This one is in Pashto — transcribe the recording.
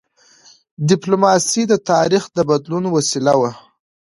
ډيپلوماسي د تاریخ د بدلون وسیله وه.